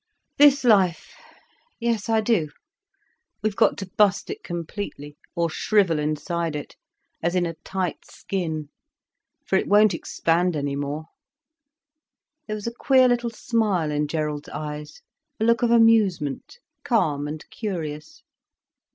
"This life. Yes I do. We've got to bust it completely, or shrivel inside it, as in a tight skin. For it won't expand any more." There was a queer little smile in Gerald's eyes, a look of amusement, calm and curious.